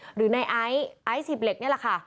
หรือในไอซ์ไอซ์หีบเหล็กนี่แหละค่ะ